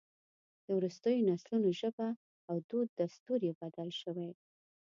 د وروستیو نسلونو ژبه او دود دستور یې بدل شوی.